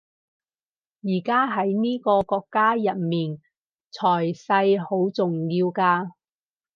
而家喺呢個國家入面財勢好重要㗎